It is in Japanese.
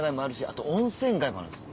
あと温泉街もあるんです。